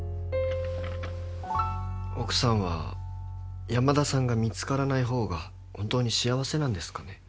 奥さんは山田さんが見つからない方が本当に幸せなんですかね。